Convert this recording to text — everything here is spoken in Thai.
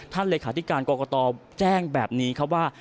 ท่านเลขาธิการกรกตอแจ้งแบบนี้เขาว่า